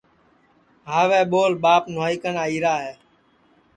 ہاوے ٻول ٻاپ نواہئی کن آئیرا ہے